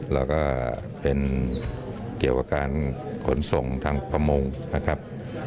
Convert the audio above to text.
แล้วก็เป็นเกี่ยวกับการขนส่งทางประมงนะครับ